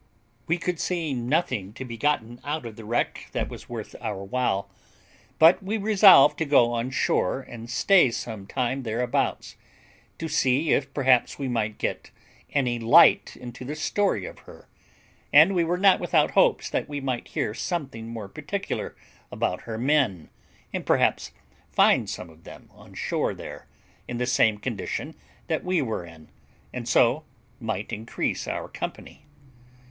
We could see nothing to be gotten out of the wreck that was worth our while; but we resolved to go on shore, and stay some time thereabouts, to see if perhaps we might get any light into the story of her; and we were not without hopes that we might hear something more particular about her men, and perhaps find some of them on shore there, in the same condition that we were in, and so might increase our company.